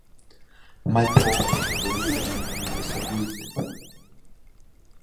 Mae pob pennod yn ymdrin â mis o'r flwyddyn.